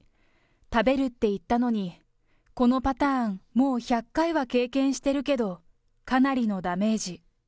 食べるって言ったのに、このパターン、もう１００回は経験してるけど、かなりのダメージ。